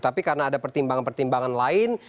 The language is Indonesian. tapi karena ada pertimbangan pertimbangan lain